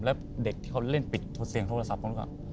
แล้วเด็กที่เขาเล่นปิดเสียงโทรศัพท์ผมก็